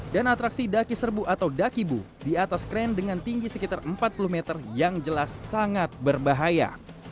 dan atraksi daki serbu atau dakibu di atas kren dengan tinggi sekitar empat puluh meter yang jelas sangat berbahaya